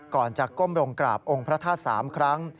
ก่อนจากก้มร่งกราบองค์พระทาธิตร์๓ครั้ง